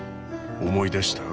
思い出した？